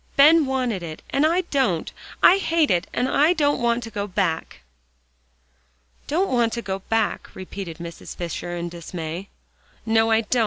"Ben wanted it, and I don't. I hate it, and I don't want to go back." "Don't want to go back?" repeated Mrs. Fisher in dismay. "No, I don't.